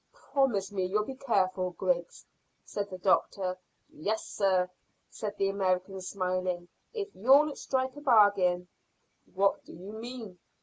"Promise me you'll be careful, Griggs," said the doctor. "Yes, sir," said the American, smiling, "if you'll strike a bargain." "What do you mean?"